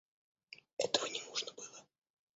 Этого не нужно было.